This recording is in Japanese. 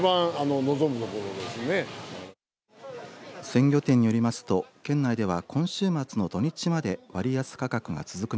鮮魚店によりますと県内では今週末の土日まで割安価格が続く